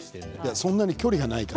そんなに距離がないから。